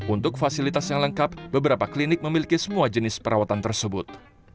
untuk fasilitas yang lengkap beberapa klinik memiliki semua jenis perawatan tersebut